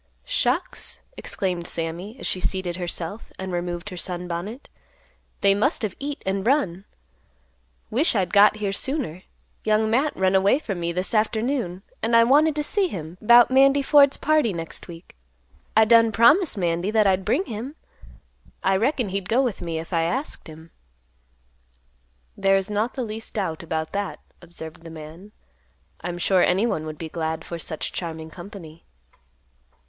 "Shucks!" exclaimed Sammy, as she seated herself, and removed her sunbonnet; "they must've eat and run. Wish'd I'd got here sooner. Young Matt run away from me this afternoon. And I wanted to see him 'bout Mandy Ford's party next week. I done promised Mandy that I'd bring him. I reckon he'd go with me if I asked him." "There is not the least doubt about that," observed the man; "I'm sure anyone would be glad for such charming company."